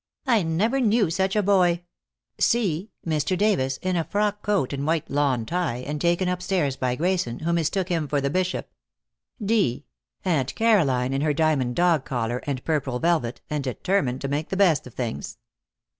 "I never knew such a boy!") (c) Mr. Davis, in a frock coat and white lawn tie, and taken upstairs by Grayson, who mistook him for the bishop. (d) Aunt Caroline, in her diamond dog collar and purple velvet, and determined to make the best of things.